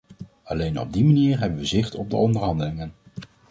Alleen op die manier hebben we zicht op de onderhandelingen.